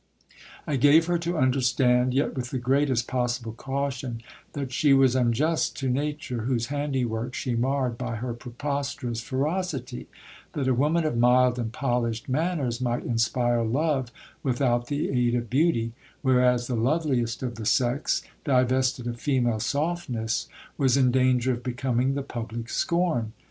I gave her to understand, yet with the great est possible caution, that she was unjust to nature, whose handiwork she marred by her preposterous ferocity ; that a woman of mild and polished man ners might inspire love without the aid of beauty ; whereas the loveliest of the sex, divested of female softness, was in danger of becoming the public scorn.